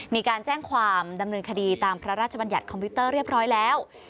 มีการแจ้งความดำเนินคดีตามพระราชบัญญัติคอมพิวเตอร์เรียบร้อยแล้ว